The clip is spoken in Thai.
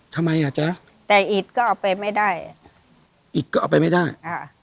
ทำไมอ่ะจ๊ะแต่อิตก็เอาไปไม่ได้อิตก็เอาไปไม่ได้อ่า